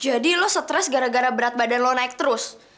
jadi lo stres gara gara berat badan lo naik terus